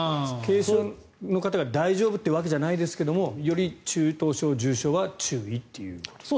軽症の方が大丈夫ってわけじゃないですけどより中等症、重症は注意ということですね。